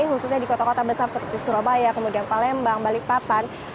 khususnya di kota kota besar seperti surabaya kemudian palembang balikpapan